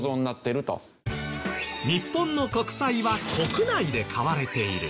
日本の国債は国内で買われている。